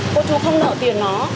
cô chú không nợ tiền nó